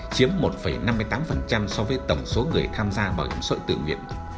chiếm một năm mươi tám so với tổng số người tham gia bảo hiểm xã hội tự nguyện